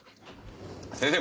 先生